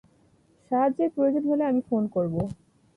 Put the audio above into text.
সাহায্যের প্রয়োজন হলে আমি ফোন করব।